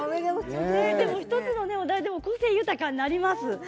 １つのお題でも個性豊かになります。